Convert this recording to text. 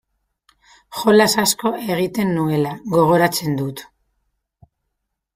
Jolas asko egiten nuela gogoratzen dut.